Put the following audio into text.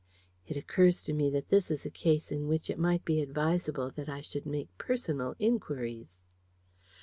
It occurs to me that this is a case in which it might be advisable that I should make personal inquiries."